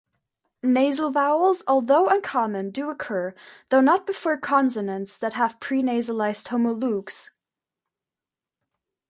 Nasal vowels, although uncommon, do occur, though not before consonants that have prenasalized homologues.